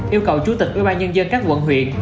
yêu cầu chủ tịch ưu ban nhân dân các quận huyện